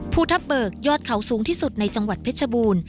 ภูทับเบิกยอดเขาสูงที่สุดในจังหวัดเพชรบูรณ์